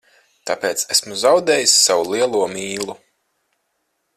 Tāpēc esmu zaudējis savu lielo mīlu.